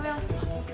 makasih ya bang